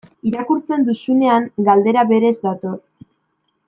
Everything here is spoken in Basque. Irakurtzen duzunean, galdera berez dator.